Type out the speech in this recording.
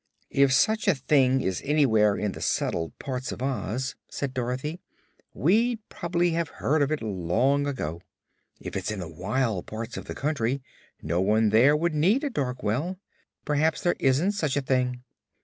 "If such a thing is anywhere in the settled parts of Oz," said Dorothy, "we'd prob'ly have heard of it long ago. If it's in the wild parts of the country, no one there would need a dark well. P'raps there isn't such a thing."